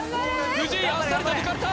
藤井あっさりと抜かれた！